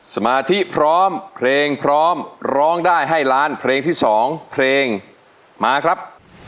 สมาธิพร้อมเพลงพร้อมร้องได้ให้ล้านเพลงที่๒เพลงมาครับ